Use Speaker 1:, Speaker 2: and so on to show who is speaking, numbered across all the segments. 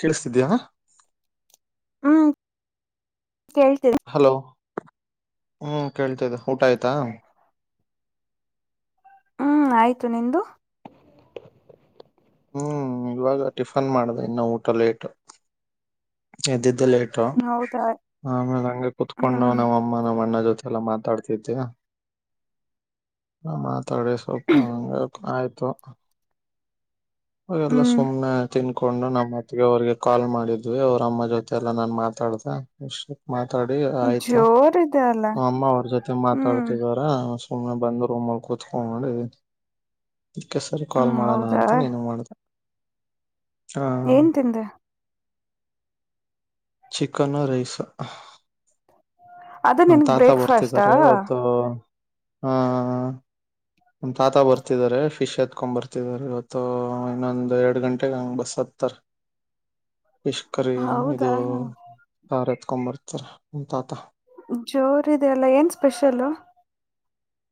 Speaker 1: ಕೇಳಿಸ್ತಿದ್ಯಾ.
Speaker 2: ಹ್ಮ ಕೇಳ್ತೀದೇ
Speaker 1: ಹಲೋ ಹ್ಮ್ ಕೇಳ್ತೇದೆ ಊಟ ಆಯ್ತಾ.
Speaker 2: ಹ್ಮ್ ಆಯ್ತು ನಿಂದು.
Speaker 1: ಹ್ಮ್ ಇವಾಗ ಟಿಫನ್ ಮಾಡ್ದೇ ಇನ್ನು ಊಟ ಲೇಟ್ ಎದ್ದಿದ್. ದೇ ಲೇಟು
Speaker 2: ಹೌದಾ
Speaker 1: ಆಮೇಲೆ ಹಂಗೆ ಕುತ್ಕೊಂಡೂ
Speaker 2: ಹ್ಮ್
Speaker 1: ನಮ್ಮಮ್ಮ ನಮ್ಮಣ್ಣ ಜೊತೇಲಿ. ಮಲ್ಲ ಮಾತಾಡ್ತಿದ್ದ್ಯಾ ತಥೋಡೆ ಸವ ಆಯ್ತ ಹ ಅವೆಲ್ಲ
Speaker 2: ಹ್ಮ್
Speaker 1: ಸುಮ್ಮನೆ ತಿನ್ ಹಕೊಂಡು ನಮ್ಮತ್ತಗೆ ಅವ್ರಿಗೆ ಕಾಲ್ ಮಾಡಿದ್ವಿ ಅವ್ರಮ್ಮ ಜೊತೆ ಎಲ್ಲಾ ನಾನ್ ಮಾತಾಡತ ಇಷ್ಟೇ ಮಾತಾಡಿ ಆಯ್ತು
Speaker 2: ಜೋರಿದೆ ಅಲ್ಲ
Speaker 1: ಅಮ್ಮ ಅವ್ರ ಜೊತೆ
Speaker 2: ಹ್ಮ್
Speaker 1: ಮಾತಾಡ್ತಿದಾರ ಸ್ಕೂಲ್ನೆ ಬಂದಧ ರೂಮಲ್ಲಿ ಕೂತ್ುಕಡಿ ಇದದಕ್ಕೆ ಸರಿ
Speaker 2: ಹ್ಮ್
Speaker 1: ಕಾಲ್ ಮಾಡೋಣ
Speaker 2: ಹೌದಾ
Speaker 1: ಅಂತ ನೀನು ಮಾಡ್ದ
Speaker 2: ಏನ್ ತಿಂದೆ
Speaker 1: ಚಿಕನ ರೈಸ್
Speaker 2: ಅದ
Speaker 1: ನಮ್ಮ್
Speaker 2: ನಿನ್ಗ್
Speaker 1: ತಾತ
Speaker 2: ಬ್ರೇಕ್ಫಾಸ್ಟಾ
Speaker 1: ಬರ್ತಿದಿದ್ದಾರೆ ಇವತ್ತು ಹಾ ಒಂದ್ ತಾತ ಬರ್ತಿದಿದ್ದಾರೆ ಫಿಶ್ ಎತ್ಕೊ ಬರ್ತಾರೆ ಇವತ್ತು ಇನ್ನೊಂದ್ ಎರಡ್ ಗಂಟೆಗೆಗ ಹಂಗ ಬಸ್ ಹತ್ತಾರ ಫಿಶ್ ಕರಿ ಇದು
Speaker 2: ಹೌದಾ
Speaker 1: ಭಾರತ್ ಕ್ರ್ತಾರೆ ಹಂತಾತ
Speaker 2: ಜೋರಿದೆಯಲ್ಲ ಏನ್ ಸ್ಪೆಷಲ್ಲ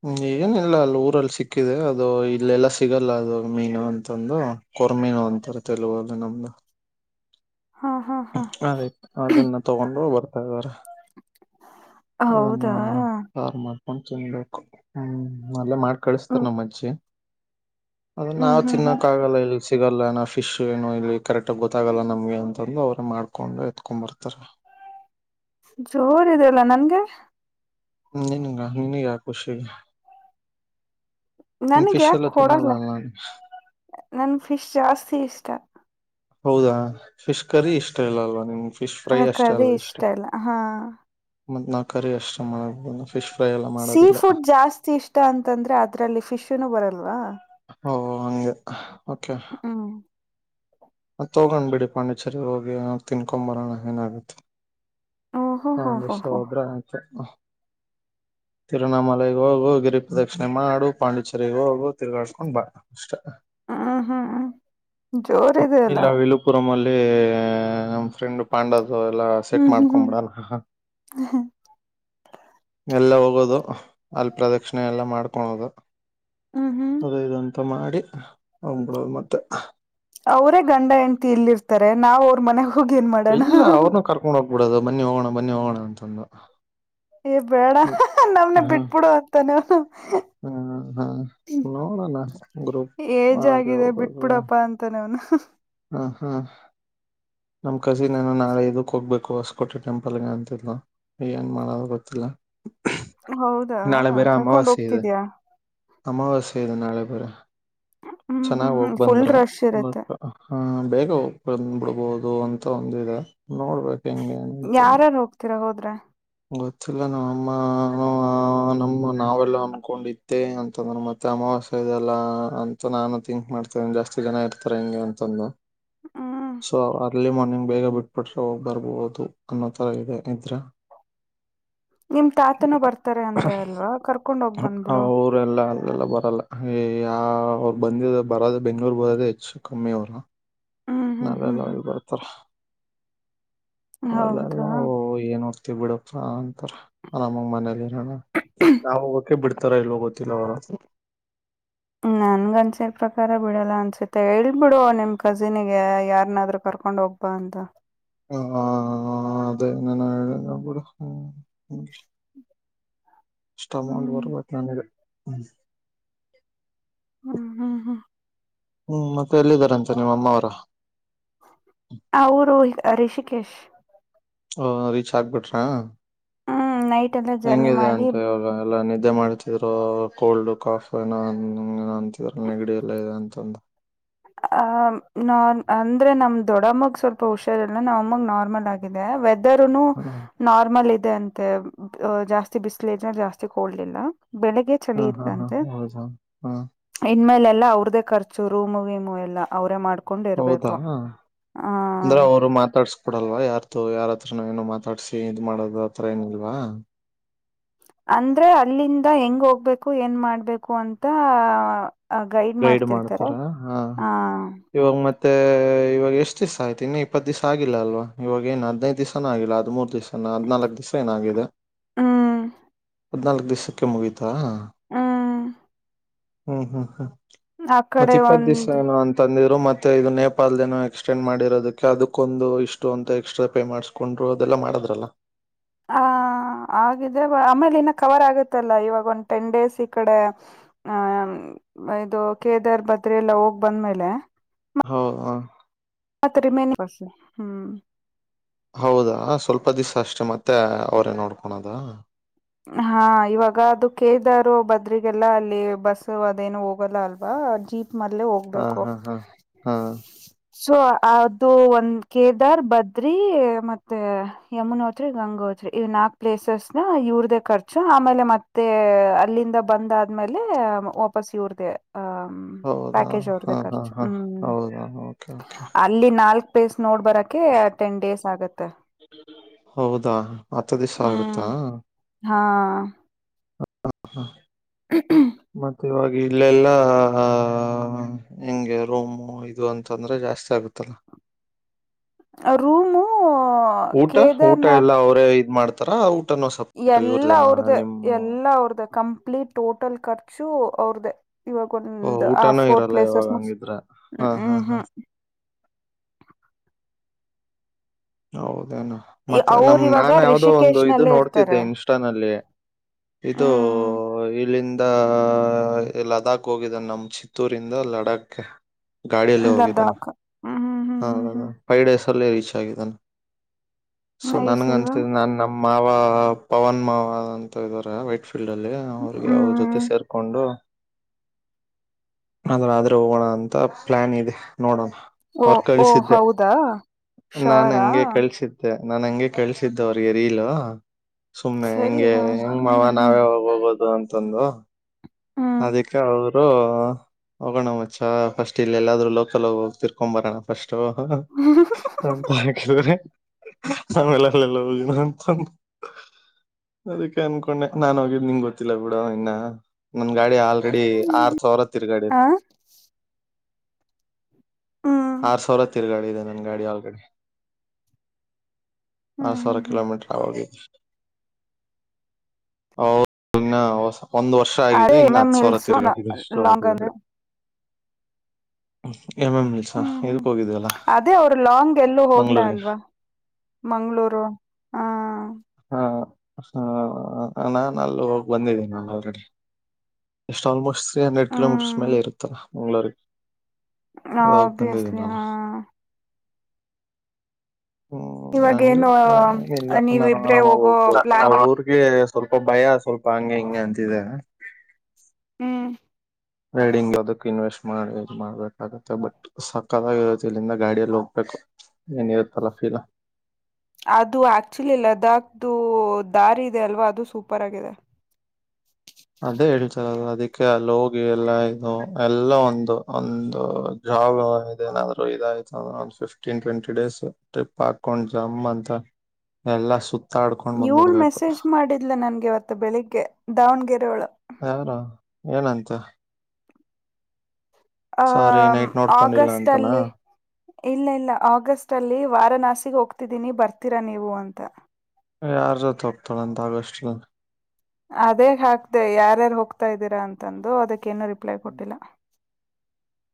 Speaker 1: ಹ್ಮ್ ಏನಿಲ್ಲ ಅಲ್ಲಿ ಊರಲ್ಲಿ ಸಿಕ್ಕಿದೆ ಅದು ಇಲ್ಲೆಲ್ಲ ಸಿಗಲ್ಲ ಅದು ಮೀನು ಅಂತಂದು ಕೊರ್ಮೀನು ಅಂತಾರ ತಲುಗಲ್ಲಿ ನಮ್ದು
Speaker 2: ಹಾ ಹಾ ಹಾ
Speaker 1: ಅದೇತ ಅದನ್ನ ತಗೊಂಡು ಬರ್ತಾ ಇದಾರೆ
Speaker 2: ಹೌದಾ
Speaker 1: ಅದನ್ನು ತಯಾರು ಮಾಡ್ತಿ ಚನ್ಬೇಕು ಹ್ಮ ಅಲ್ಲ ಮಾಡ್ ಕಳಿಸ್ತಾರ
Speaker 2: ಹ್ಮ್
Speaker 1: ನಮ್ಮ್ ಅಜ್ಜಿ ಅದ
Speaker 2: ಹ್ಮ್
Speaker 1: ನಾವ್
Speaker 2: ಹ್ಮ್ ಹ್ಮ್
Speaker 1: ತಿಿನ್ನಕ್ಕ ಆಾಗಲ್ಲ ಇಲ್ ಸಿಗಲ್ಲ ಫಿಶ್ ಏನು ಇಲ್ಲಿ ಕರೆಕ್ಟ್ ಆಗ ಗೊತ್ತಾಗಲ್ಲ ನಮ್ಗೆ ಅಂತಂದು ಅವ್ರ ಮಾಡ್ಕೊಂಡು ಎತ್ಕೊಂಡ್ ಬರ್ತಾರೆ
Speaker 2: ಜೋರ್ದೆಲ್ಲ ನನ್ಗೆ
Speaker 1: ನಿನುಗ ನಿನುಗ ಕುಷ
Speaker 2: ನನ್ಗ್ ಯಾಕ
Speaker 1: ಫಿಷಲ್ಲ ತಿನ್ನಲ್ಲ
Speaker 2: ಕೊಡಲ್ಲ
Speaker 1: ಅಲ್ಲ
Speaker 2: ನನ್ ಫಿಶ್ ಜಾಸ್ತಿ ಇಷ್ಟ
Speaker 1: ಹೌದಾ ಫಿಶ್ ಕರಿ ಇಷ್ಟ ಇಲ್ಲ ಅಲ್ವಾ ನಿಮ್
Speaker 2: ಆ ಕರ ಇಷ್ಟ ಇಲ್ಲ ಹಾ
Speaker 1: ಮತ್ತತ್ ನಾ ಕರಿ ಅಷ್ಟ ಮಾಡ
Speaker 2: ಸೀ ಫುಡ್ ಜಾಸ್ತಿ ಇಷ್ಟ ಅಂತಂದ್ರೆ ಅದ್ರಲ್ಲಿ ಫಿಶನು ಬರಲ್ವಾ
Speaker 1: ಹಓ ಹಂಗ ಓಕೆ
Speaker 2: ಹ್ಮ್
Speaker 1: ಆ ತುಗೊಂಡ ಬಂದ್ ಬಿಡಿ ಪಾನೀಚ್ ಸರಿ ಹೋಗಿ ಏನ ತಿನ್ಕೊ ಬರೋಣ ಏನಾಗತ್ತೆ.
Speaker 2: ಓಹೋ
Speaker 1: ಆ
Speaker 2: ಹೋ ಹೋ
Speaker 1: ಮಿಷ್
Speaker 2: ಹೋ
Speaker 1: ಹೋದ್ರ ಆತ ತಿರುನಮಲೆಗ ಹೋಗಿ ಹೋಗಿ ಗಿರಿ ಪ್ರದಕ್ಷಿಣೆ ಮಾ ಗು ಪಾಂಡಿಚರಿಗ ಹೋಗು ತಿರ್ಗಾಡಸ್ಕೊಂಡ್ ಬಾ ಅಷ್ಟ.
Speaker 2: ಹ್ಮ ಹ್ಮ ಜೋರ ಇದೆ. ಅಲ್ಲ
Speaker 1: ಇಲ್ಲ ವಿಲುಪುರಂ ಅಲ್ಲ ಲ್ಲಿ ನಮ್ಮ್ ಫ್ರೆಂಡ್ ಪಾಂಡದ ಅದು ಎಲ್ಲಾ ಸೆಟ್
Speaker 2: ಹ್ಮ್ ಹ್ಮ್ ಹ್ಮ್
Speaker 1: ಮಾಡ್ಕೊಂಡ್ಬಿಡಲ. ಎಲ್ಲ ಹೋಗೋದು ಅಲ್ಲ ಪ್ರದಕ್ಷಿಣೆ ಎಲ್ಲ ಮಾಡ್ಕೊಳೋದು.
Speaker 2: ಹ್ಮ ಹ್ಮ.
Speaker 1: ಅದು ಇದಂತ ಮಾಡಿ ಹೊಂಗಿಬಿಡೋದ ಮತ್ತೆ ತ
Speaker 2: ಅವರೇ ಗಂಡ ಹೆಂಡ್ತಿ ಇಲ್ಲಿ ಇರ್ತಾರೆ ನಾವ್ ಅವ್ರ ಮನೆ
Speaker 1: ಇಲ್ಲ ಅವ್ರನು ಕರ್ಕೊಂಡ್ ಹೋಗ್ಬಡೋದು ಬನ್ನಿ ಹೋಗೋಣ ಬನ್ನಿ ಹೋಗೋಣ. ತಂದು
Speaker 2: ಏ ಬೇಡ [unintelligible] ನಮ್ನೆ ಬಿಟ್ಬಿಡು ಅತ್ತಾನ.
Speaker 1: ಹ್ಮ ಹಾ ನೋಡೋಣ ಗ್ರೂಪ್
Speaker 2: ಏಜ್
Speaker 1: ಹಾಗೆ
Speaker 2: ಆಗಿದೆ
Speaker 1: ಹೋಗದ
Speaker 2: ಬಿಟ್ಬಿಡಪ್ಪಾ ಅಂತಾನೆ ಅವ್ನು
Speaker 1: ಹ್ಞಾ. ಹ್ಞಾ. ನಮ್ ಕಸಿನ್ ನ ನಾಳೆ ಇದಕ್ಕ ಹೋಗ್ಬೇಕು ಹೊಸಕೋಟೆ ಟೆಂಪಲ್ಗೆ ಅಂತಿದ್ಳು ಏನ್ ಮಾಡೋದು ಗೊತ್ತಿಲ್ಲ.
Speaker 2: ಹೌದಾ
Speaker 1: ನಾಳೆ ಬೇರೆ
Speaker 2: ಕರ್ಕೊಂಡ್ ಹೋಗ್ತಿದಿಯಾ.
Speaker 1: ದೆ ನಾಳೆ ಬೇರೆ ಚೆನ್ನಾಗ
Speaker 2: ಹ್ಮ್
Speaker 1: ಹೋಗ
Speaker 2: ಹ್ಮ್ ಫುಲ್
Speaker 1: ಬಂದ್ರ
Speaker 2: ರಶ್ ಇರತ್ತೆ
Speaker 1: ಬಟ್ ಹ್ನ ಬೇಗ ಹೋಗ ಬಂದ ಬಿಡ್ಬದು. ಅದು ಅಂತ ಒಂದಿದೆ ನೋಡ್ಬೇಕ.
Speaker 2: ಯಾರಾರ ಹೋಗ್ತೀರಾ ಹೋದ್ [unintelligible]
Speaker 1: ಗೊತ್ತಿಲ್ಲ ನಮ್ ಅಮ್ಮ [unintelligible] ನಮ್ಮ ನಾವೆಲ್ಲ ಅನ್ಕೊಂಡಿದ್ದೆ ಅಂತಂದ್ರ ಮತ್ತೆ ಅಮಾವಾಸ್ಯ ಇದೆಲ್ಲ ಅಂತ ನಾನು ಥಿಂಕ್ ಮಾಡ್ತೇನೆ ಜಾಸ್ತಿ ಜನ ಇರ್ತಾರೆ ಹೆಂಗೆ ಅಂತಂದು
Speaker 2: ಹ್ಮ್
Speaker 1: ಸೊ ಅರ್ಲಿ ಮೋರ್ನಿಂಗ್ ಬೇಗ ಬಿಟ್ಬಿಟ್ರೆ ಹೋಗ ಬರಬೊದು ಅನ್ನೋ ತರ ಇದೆ ಇದ್ರ
Speaker 2: ನಿಮ್ ತಾತನೂ ಬರ್ತಾರೆ ಅಂದೇ ಅಲ್ವಾ ಕರ್ಕೊಂಡ ಹೋಗ ಬಂದ್ಬಿಡು.
Speaker 1: ಇಲ್ಲ ಬರಲ್ಲ ಯೇ ಯಾವ್ ಬಂದಿದ ಬರದ ಬೆಂಗಳೂರಿಗೆ ಬರದ ಹೆಚ್ಚು ಕಮ್ಮಿ ಅವ್ರು
Speaker 2: ಹ್ಮ್ ಹ್ಮ್
Speaker 1: ನಾಳೆ
Speaker 2: ಹ್ಮ್
Speaker 1: ಎಲ್ಲ
Speaker 2: ಹ್ಮ್
Speaker 1: ಬಿ ಬರ್ತಾರ. ಹೊಲಲ್ಲ
Speaker 2: ಹೌದಾ
Speaker 1: ಓ ಏನೋ ಅತಿಬಿಡಪ್ಪ ಅಂತರ ನಮ್ಮಗ ಮನೇಲಿ. ಹ ನಾವು [unintelligible] ಬಿಡ್ತತ ಮಾಡ್ತಾರೋ ಇಲ್ಲವ ಗೊತ್ತಿಲ್ಲ ಅವರು.
Speaker 2: ಹು ನನಗ [unintelligible] ಪ್ರಕಾರ ಬಿಡಲ್ಲ ಅನ್ಸುತ್ತೆ ಹೇಳ್ಬಿಡು ನಿಮ್ ಕಜಿನಿಗೆ ಯಾರನ್ನಾದರೂ ಕರ್ಕೊಂಡ್ ಹೋಗ್ಬಾಂತಾ.
Speaker 1: ಹ ಅದೇ ನನಾ ಹೇಳಿಲಾಬಿಡು ಇಷ್ಟೊಂದು ಅಮೌಂಟ್
Speaker 2: ಹ್ಮ್
Speaker 1: ಬರಬೇಕ ನನಗ.
Speaker 2: ಹ್ಮ್ ಹ್ಮ್ ಹ್ಮ್
Speaker 1: ಹ್ಮ್ ಮತ್ತೆ ಎಲ್ಲಿದ್ದಾರಂತೆ ನಿಮ್ಮ ಅಮ್ಮ ರ
Speaker 2: ಅವರು ರಿಷಿಕೇಶ್
Speaker 1: ಹ ರೀಚ್ ಆಗ್ಬಿಟ್ರಾ.
Speaker 2: ಹ್ಮ್ ನೈಟ್ ಎಲ್ಲ ಜರ್ನಿ
Speaker 1: ಹೆಂಗಿದೆ
Speaker 2: ಮಾಡಿ
Speaker 1: ಅಂತ ಇವಾಗ ಎಲ್ಲಾ ನಿದ್ದೆ ಮಾಡತಿದ್ರು ಕೋಲ್ಡ್ ಕಾಫ [unintelligible] [unintelligible] ನೆಗಡಿ ಎಲ್ಲಾ ಇದೆ ಅಂ [inaudible]
Speaker 2: [unintelligible] ಹಾ ನಾನ ಅಂದ್ರೆ ನಮ್ ದೊಡಮ್ಮಗ್ ಸ್ವಲ್ಪ ಹುಷಾರಲ್ಲ ನಮ್ಮಮ್ಮಗ್ ನಾರ್ಮಲ್ ಆಗಿದೆ ಇದ್ದರನ್ನು
Speaker 1: ಹ
Speaker 2: ನಾರ್ಮಲ್ ಇದ ಇದೆಯಂತೆ ಜಾಸ್ತಿ ಬಿಸಲ [unintelligible] ಜಾಸ್ತಿ ಕೋಲ್ಡ ಇಲ್ಲಾ. ಬೆಳಿಗ್ಗೆ
Speaker 1: ಹಾ
Speaker 2: ಚಳಿ
Speaker 1: ಹಾ ಹಾ
Speaker 2: ಇತ್ತಂತೆ
Speaker 1: ಹೌದಾ ಹ
Speaker 2: ಇನ್ ಮೇಲೆಲ್ಲಾ ಅವರ. ಇವರದೇ ಖರ್ಚು ರೂಮು ಗಿಮು ಎಲ್ಲ ಅವ್ರೇ ಮಾಡ
Speaker 1: ಹೌದಾ ಅಂದ್ರೆ ಅವರು ಮಾತಾಡ್ಸ್ಕೊಡಲ್ವಾ ಯಾರ್ದು ಯಾರ ತ್ರ ಏನೋ ಮಾತಾಡ್ಸಿ ಇದ ಮಾಡೋದು ಆತ್ರ ಏನ ಇಲ್ವಾ.
Speaker 2: ಅಂದ್ರೆ ಅಲ್ಲಿಂದ ಹೆಂಗ್ ಹೋಗ್ಬೇಕು ಏನ್ ಮಾಡ್ಬೇಕು ಅಂತ ಆ.
Speaker 1: ಗೈಡ್ ಮಾಡ್ತಾರ ಆ ಇವಾಗ ಮತ್ತ ತ್ತೆ ಇವಾಗ ಎಷ್ಟು ದಿವಸ ಆಯಿತು ಇನ್ನು ಇಪ್ಪತ್ ದಿವಸ್ ಆಗಿಲ್ಲ ಅಲ್ವಾ ಇವಾಗ ಏನು ಹದಿನೈದು ದಿವಸ್ ಆಗಿಲ್ಲ ಹದಿಮೂರ ದಿವಸ್. ನ ಹದ್ನಾಲ್ಕು ದಿವಸ ನಾವ ಇರ
Speaker 2: ಹ್ಮ್
Speaker 1: ಹದ್ನಾಲ್ಕು ದಿವಸಕ್ಕೆ ಮುಗೀತಾ.
Speaker 2: ಹ್ಮ್
Speaker 1: ಹ್ಮ್ ಹ್ಮ್ ಹ್ಮ್
Speaker 2: ಆ
Speaker 1: ಮತ್
Speaker 2: ಕಡೆ
Speaker 1: ಇಪ್ಪತ್ ದಿವ್ಸ
Speaker 2: ಒಂದ್
Speaker 1: ಏನೋ ಅಂತಂದ. ಮತ್ತೆ ಇದು ನೇಪಾಲ್ದ ಏನ ಎಕ್ಸ್ಟೆಂಡ್ ಮಾಡಿರೋದಕ್ಕೆ ಅದಕ್ಕೊಂದು ಇಷ್ಟು ಅಂತ ಎಕ್ಸ್ಟ್ರಾ ಪೇ ಮಾಡ್ಸ್ಕೊಂಡ್ರು ಅದೆಲ್ಲ ಮಾಡದ್ರಲ್ಲ.
Speaker 2: ಹ ಆಗಿದೆ ಆಮೇಲೆ ಇನ್ನ ಕವರ್ ಆಗತ್ತಲ್ಲ ಇವಾಗ ಒಂದ ಟೆನ್ ಡೇಸ್ ಈ ಕಡೆ ಆ ಇದು ಕೇದರ್ ಬದ್ರಿ ಎಲ್ಲ ಹೋಗ ಬಂದ್ಮೇಲೆ.
Speaker 1: ಹ ಹ
Speaker 2: ಮತ್ತ ರಿಮೇನ [unintelligible]
Speaker 1: ಹೌದಾ ಸ್ವಲ್ಪ ದಿಸಾ ಅಷ್ಟೆ ಮತ್ತೆ ಅವ್ರೇ ನೋಡ್ಕೊಣದ
Speaker 2: ಹಾ ಇವಾಗ ಅದು ಕೇಳಿದಾರು ಬದ್ರಿಗೆಲ್ಲ ಅಲ್ಲಿ ಬಸ್ ಅದೇನು ಹೋಗಲ್ಲ ಅಲ್ವಾ ಜೀಪ. ಮದಲೇ
Speaker 1: ಹಾ
Speaker 2: ಹೋಗ್ಬೇಕು.
Speaker 1: ಹಾ ಹಾ ಹಾ
Speaker 2: ಸೊ ಅದು ಒಂದ್ ಕೇದಾರ್ ಬದ್ರಿ ಮತ್ತೆ ಯಮೋನೋತ್ರಿ ಗಂಗೋತ್ರಿ ಇವ್ ನಾಕ್ ಪ್ಲೇಸಸನ ಇವ್ರ ಖರ್ಚು ಆಮೇಲೆ ಮತ್ತೆ ಅಲ್ಲಿಂದ ಬಂದ ಆದ್ಮೇಲೆ ವಾಪಸ್ ಇವ್ರದೆೇ.
Speaker 1: ಹೌದಾ ಹಾ ಹಾ ಹಾ
Speaker 2: ಹ್ಮ್
Speaker 1: ಹೌದಾ ಕೆೆ
Speaker 2: ನೋಡಿ ಬರಕೆ ಟೆಂಡ್ ಡೇಸ್ ಆಗುತ್ತೆ
Speaker 1: ಹೌದಾ ಹತ್ತು ದಿವಸ
Speaker 2: ಹ್ಮ್
Speaker 1: ಆಗುತ್ತಾ
Speaker 2: ಹಾ
Speaker 1: ಹ ಹ ಹಾ ಮತ್ತೆ ಇವಾಗ ಇಲ್ಲೆಲ್ಲಾ ಹೆಂಗೆ ರೋಮು ಇದು ಅಂತಂದ್ರೆ ಜಾಸ್ತಿ ಆಗುತ್ತಲ್ಲ
Speaker 2: ರೂಮೂ
Speaker 1: ಊಟ ಊಟ ಎಲ್ಲ ಅವರೇ ಇದ್ ಮಾಡ್ತಾ ರ ಆಟ್
Speaker 2: ಎಲ್ಲ ಅವ್ರ್ದ ಎಲ್ಲಾ ಅವ್ರ್ದ ಕಂಪ್ಲೀಟ್ ಟೋಟಲ್ ಕರ್ ಶೂ ಅವ್ರ್ದೇ ಇವಾಗ
Speaker 1: ಓ
Speaker 2: ಒಂದ್ ಆ
Speaker 1: ಊಟನೂ
Speaker 2: ಫೋರ್
Speaker 1: ಇರಲ್ಲ ಇವಾಗ
Speaker 2: ಪ್ಲೇಸಸ್ ಮು
Speaker 1: ಹಂಗಿದ್ರೆ
Speaker 2: ಹ್ಮ್
Speaker 1: ಹಾ ಹಾ
Speaker 2: ಹ್ಮ್
Speaker 1: ಹಾ
Speaker 2: ಹ್ಮ್ [inaudible]
Speaker 1: ಹೌದು ಅ ಮತ್ತೆ
Speaker 2: ಅವ್ರ
Speaker 1: ನಮ್
Speaker 2: ಇವಾಗ
Speaker 1: ನಾನ್ ಯಾವ್ದೋ ಒಂದು
Speaker 2: ರಿಷಿಕೇಶ್
Speaker 1: ಇದು
Speaker 2: ನಲ್ಲೇ
Speaker 1: ನೋಡ್ತಿದ್ದೆ
Speaker 2: ಇರ್ತಾರೆ
Speaker 1: ಇನ್ಸ್ಟಾನಲ್ಲಿ ಇದು
Speaker 2: ಹ್ಮ್
Speaker 1: ಇಲ್ಲಿಂದ ಲಡಾಖ್ ಹೋಗಿದ್ದಾನ ನಮ್ಮ ಚಿತ್ತೂರಿಂದ ಲಡಾಖ್ ಗಾಡಿಯಲ್ಲ ಹೋಗಿದ್ದಾನ
Speaker 2: ಲದ್ದಾಖ್ ಹ್ಮ್ ಹ್ಮ್ ಹ್ಮ್ ಹ್ಮ್
Speaker 1: ಹಲ್ಲ
Speaker 2: ಹ್ಮ್
Speaker 1: ಫೈವ್ ಡೇಸ್ ಅಲ್ಲಿ ರೀಚ್ ಆಗಿದ್ದಾನೆ ಸೊ
Speaker 2: ನೈಸ್
Speaker 1: ನನ್ಗೆ
Speaker 2: ಅಲ್ವಾ
Speaker 1: ಅನ್ಸಿದಿದೆ ನಾನನ್ ನಮ್ಮ ಮಾವ ಪವನ್ ಮಾವ ಅಂತ ಇದಾರೆ ವೈಟ್ ಫೀಲ್ಡ್ ಅಲ್ಲಿ ಅವ್ರಗೆ ಯಾವ್ರ ಜೊತೆ
Speaker 2: ಹ್ಮ್
Speaker 1: ಸೇರ್ಕೊಂಡು ಆದ್ರ ಆದ್ರೆ ಹೋಗೋಣ ಅಂತ ಪ್ಲಾನ್ ಇದೆ ನೋಡೋಣ
Speaker 2: ಓ
Speaker 1: ಅವ್ರು
Speaker 2: ಓ
Speaker 1: ಕಳ್ಸಿದ್ದೆ
Speaker 2: ಹೌದಾ ಶೋರಾ
Speaker 1: ನನ್ ಹಂಗೆ ಕಳ್ಸಿದ್ದ ಅವ್ರಿಗೆ ಎರಿಲು ಸುಮ್ಮ್ನೆ
Speaker 2: ಸರಿ
Speaker 1: ಹೆಂಗೆ
Speaker 2: ಹ್ಮ್
Speaker 1: ಹೆಂಗ್ ಮಾವ
Speaker 2: ಹ್ಮ್
Speaker 1: ನಾವೇ ಹೋಗೋಗೋುದು ಅಂತ ತಂದ
Speaker 2: ಹ್ಮ್
Speaker 1: ಅದಕ್ಕ ಅವರು ಹೋಗೋಣ ಮಚ್ಚ ಫಸ್ಟ್ ಇಲ್ಲ ಎಲ್ಲಾದ್ರೂ ಲೋಕಲ್ಗಿ ಹೋಗ್ತಿರ್ಕೊಂಬರೋಣ ಫಸ್ಟ್
Speaker 2: ಹ್ಮ್
Speaker 1: ಅತೇಳ್ರೆ ಆಮೇಲೆ ಅಲ್ಲೆಲ್ಲ ಹೋಗಿನ ಅಂತಂದ ಅದಕ್ಕೆ ಅನ್ಕೊಂಡೆ ನಾನ್ ಹೋಗಿದ್ದ್ ನಿಂಗ ಗೊತ್ತಿಲ್ಲಬಿಡು ಇನ್ನ ನನ್ ಗಾಡಿ ಹಾ ಎಡಿ ಆರು ಸಾವಿರ ತಿರುಗಾಡೈತೆ
Speaker 2: ಆ ಹ್ಮ್
Speaker 1: ಆರು ಸಾವಿರ ತಿರುಗಾಡಿದೆ ನನ್ನ ಗಾಡಿ ಆಲ್ರೆಡಿ ಆರು
Speaker 2: ಹ್ಮ್
Speaker 1: ಸಾವಿರ
Speaker 2: ಹ್ಮ್ ಹ್ಮ್
Speaker 1: ಕಿಲೋಮೀಟರ್ ಅವಗೆ ಅವರಿನ್ನ ಒಂದು ವರ್ಷ ಆಗಿದೆ
Speaker 2: ಮೆಂ ಮಿಲ್ಸುರ ಲಾಗ್ ಆದ್ರೆ
Speaker 1: ಹ
Speaker 2: ಹ್ಮ್ ಹ್ಮ್ ಅದೇ ಅವರು ಲಾಂಗ್ ಎಲ್ಲೂ ಹೋಗ್ಲ
Speaker 1: ಮಂಗ್ಳೂರ್ಗೆ
Speaker 2: ಅಲ್ವಾ ಮಂಗಳೂರು ಹ
Speaker 1: ಹಾ ನಾನ ಅಲ್ಲಿ ಹೋಗಿ ಬಂದಿದ್ದೇನಿ ಆಲ್ರೆಡಿ ಇಷ್ಟು ಆಲ್ಮೋಸ್ಟ್ ಸೇಮ್ ಏಟ್ ಕಿಲೋಮೀಟರ್ಸ್ ಮೇಲೆ ಇರುತ್ತೆ ಮಂಗಳೂರಿಗೆ
Speaker 2: ಹ
Speaker 1: ಅದು ಹೋಗಿ ಬಂದಿದ್ದೀನಿ
Speaker 2: ಬ್ಬಿಯಸ್ಲಿ
Speaker 1: ನಾನು
Speaker 2: ಹಾ
Speaker 1: ಹ್ಮ್ ಅಂಗೆ
Speaker 2: ಇವಾಗೇನು
Speaker 1: ಏನಿಲ್ಲ. ನಾನ್
Speaker 2: ನೀವಿಬ್ರೇ
Speaker 1: ಆರಾಮಾಗಿ
Speaker 2: ಹೋಗೋ
Speaker 1: ಹೋಗಬಹುದು
Speaker 2: ಪ್ಲಾನ್
Speaker 1: ಅಊರ್ರಿಗೆ ಸ್ವಲ್ಪ ಭಯ ಸ್ವಲ್ಪ ಹಂಗೆ ಹಿಂಗೆ ಅಂತಿದರೆ
Speaker 2: ಹ್ಮ್
Speaker 1: ರೈಡಿಂಗ್ ಅದಕ್ ಇನ್ವೆಸ್ಟ್ ಮಾಡಿ ಇದು ಮಾಡ್ಬೇಕಾಗುತ್ತೆ ಬಟ್ ಸಕತಗಿ ಇರುತ್ತೆ ಇಲ್ಲಿಂದ ಗಾಡಿಯಲ್ಲಿ ಹೋಗ್ಬೇಕು ಏನಿರುತ್ತಲ್ಲ ಫೀಲ್
Speaker 2: ಅದು ಆಕ್ಚುಲಿ ಲದಾಖ್ದು ದಾರಿ ಇದೆ ಅಲ್ವಾ ಅದು ಸೂಪರ್ ಆಗಿದೆ
Speaker 1: ಅದೇ ಹೇಳ್ತಾರೆ ಅದು ಅದಕ್ಕೆ ಲೋಗಿ ಎಲ್ಲ ಇದು ಎಲ್ಲ ಒಂದು ಒಂದು ಜಾಬ್ ಇ ನಾದ್ ಇದಾಯ್ತ ಒ ಫಿಫ್ಟೀನ್ ಟ್ವೆಂಟಿ ಡೇಸ್ ಟ್ರಿಪ್ ಹಾಕೊಂಡ್ ಜಮ್ ಅಂತ ಎಲ್ಲಾ ಸುತ್ತ
Speaker 2: ಇವಳ್ ಮೆಸೇಜ್ ಮಾಡಿದ್ಲ ನನ್ಗೆ ಮತ್ತ ಬೆಳಿಗ್ ದಾವಣಗೆರೆ ಒಳ
Speaker 1: ಯಾರು ಏನಂತ
Speaker 2: ಆ
Speaker 1: ಸಾರಿ ನೈಟ್ ನೋಡ್ಕೊಂಡಿಲ್ಲ
Speaker 2: ಆಗಸ್ಟ್
Speaker 1: ಅಂತನಾ
Speaker 2: ಅಲ್ಲಿ ಇಲ್ಲ ಇಲ್ಲ ಆಗಸ್ಟ್ ಅಲ್ಲಿ ವಾರಣಾಸಿಗೆ ತಿದೀನಿ ಬರ್ತೀರಾ ನೀವು ಅಂತ
Speaker 1: ಯಾರ ಜೊತೆ ಹೋಗ್ತಾಳ ಅಂತ ಆಗಷ್ಟನಲ್ಲಿ
Speaker 2: ಅದೇ ಹಾಕ್ದೆ ಯಾರ್ಯಾರು ಹೋಗ್ತಾ ಇದ್ದೀರಾ ಅಂತಂದು ಏನು ರಿಪ್ಲೈ ಕೊಟ್ಟಿಲ್ಲ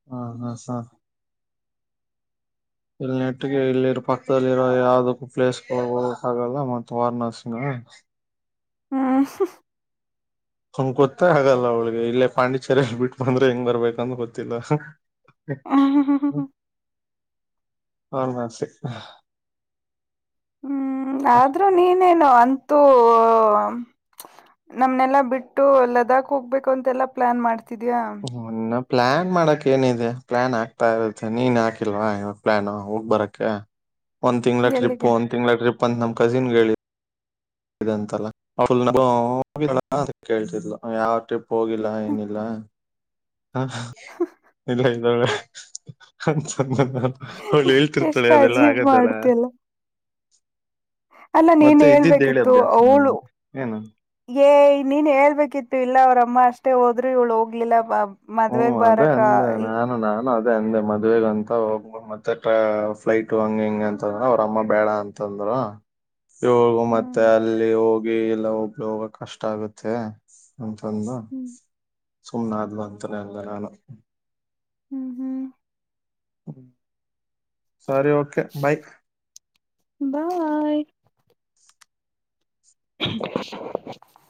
Speaker 1: ಹ ಹ ಹ ಇಲ್ಲಿ ನೆಟ್ಟಿಗೆ ಇಲ್ಲಿರೋ ಪಕ್ಕದಲ್ಲಿರೋ ಯಾವ್ದಕ್ಕೂ ಪ್ಲೇಸ್ಗಳು ಹೋಗಕ್ ಆಗಲ್ಲ ಮತ್ತೆ ವಾರ್ನಸಿನ
Speaker 2: ಹ್ಮ
Speaker 1: ಅವ್ಳಿಗೆ ಗೊತ್ತ ಹಾಗಲ್ಲ ಅವಳಿಗೆ ಇಲ್ಲೇ ಪಾಂಡಿಚೇರಿಲ್ ಬಿಟ್ಟ ಬಂದ್ರೆ ಹೆಂಗ್ ಬರ್ಬೇಕಂತ ಗೊತ್ತಿಲ್ಲ
Speaker 2: ಹೂ ಹೂ ಹೂ
Speaker 1: ವಾರಣಾಸಿ
Speaker 2: ಹ್ಮ್ ಆದ್ರೂ ನೀನೇನು ಅನ್ ನಮ್ನೆಲ್ಲಾ ಬಿಟ್ಟು ಲೆಡಕ್ ಹೋಗ್ಬೇಕು ಅಂತೆಲ್ಲಾ ಪ್ಲಾನ್ ಮಾಡ್ತಿದ್ಯಾ
Speaker 1: ಹನ್ನ ಪ್ಲ್ಯಾನ್ ಮಾಡಕ್ ಏನಿದೆ ಪ್ಲಾನ್ ಆಗ್ತಾ ಇರುತ್ತೆ ನೀನ್ ಹಾಕಿಲ್ವಾ ಇವಾಗ ಪ್ಲಾನ್ ಹೋಗ ಬರಕ್ಕೆ ಒಂದ ತಿ್ಗಳ ಟ್ರಿಪ್
Speaker 2: ಎಲ್ಲಿಗೆ
Speaker 1: ಒಂದ ತಿಂ್ಗಳ ಟ್ರಿಪ್ ಪ್ಪಂದತ್ ನಮ್ ಕಝಿನ್ ಿ ಇಂತಲ್ಲ ಅವ ಕೇಳ್ತಿದ್ಲು ಯಾವ ಟ್ರಿಪ್ ಹೋಗಿಲ್ಲ ಏನಿಲ್ಲ ಹಾ ಇಲ್ಲ ಇಲ್ಲ ಒ ಹ ಅವಳು ಹೇಳ್ತಿರ್ತಾಳೆ
Speaker 2: ಎಷ್ಟ್
Speaker 1: ಅದೆಲ್ಲಾ
Speaker 2: ಅಜೀಬ್
Speaker 1: ಆಗದಲ್ಲ ಹ
Speaker 2: ಮಾಡ್ತಿಯಲ್ಲ ಅಲ್ಲ ನೀನ್ ಹೇಳ್ಬೇಕಿತ್ತು
Speaker 1: ಅಭ್ಯಾಸ
Speaker 2: ಅವಳು
Speaker 1: ನನಗೆ ಏನು
Speaker 2: ಏ ನೀನ್ ಹೇಳ್ಬೇಕಿತ್ತು ಇಲ್ಲ ಅವ್ರಮ್ಮ ಅಷ್ಟೇ ಮಷ್ಟೆ ಹೋದ್ರರು ಇವಳ ಹೋಗ್ಲಿಲ್ಲ ಬಾ
Speaker 1: ಹ್ಮ್ ಅದೇ ಅಂದೆ ನಾನು ನಾನು ಅದೇ ಅಂದೆ ಮದ್ವೆಗಂತ ಹೋಗ ಮತ್ತೆ ಫ್ಲೈಟ್ ಹಂಗ ಹಿಂಗ ಅಂತಂದ್ರ ಅವ್ರ ಅಮ್ಮ ಬೇಡ ಅಂತಂದ್ರ ಹೋಗು ಮತ್ತೆ
Speaker 2: ಹ್ಮ್
Speaker 1: ಅಲ್ಲಿ ಹೋಗಿ ಎಲ್ಲಾ ಒಬ್ಳ ಹೋಗ ಕಷ್ಟ ಆಗುತ್ತೆ ಕನ್ನ
Speaker 2: ಹ್ಮ್
Speaker 1: ಸೋಮನಾಥ್ವಂದ ಅತ್ತನ ಅಂತರಾನ
Speaker 2: ಹ್ಮ್ ಹ್ಮ್
Speaker 1: ಹ ಸರಿ ಓಕೆ ಬೈ
Speaker 2: ಬಾಯ್ ಹ್ಮ್ಮ್.